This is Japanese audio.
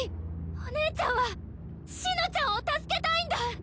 お姉ちゃんは紫乃ちゃんを助けたいんだ！